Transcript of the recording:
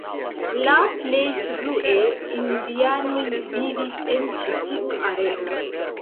La plej frue indianoj vivis en ĉi tiu areo.